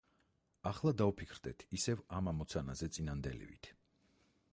ახლა დავფიქრდეთ ისევ ამ ამოცანაზე წინანდელივით.